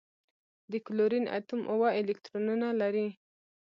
د کلورین اتوم اوه الکترونونه لري.